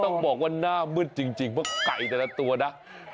ต้องบอกว่าหน้ามืดจริงเพราะไก่แต่ละตัวนะ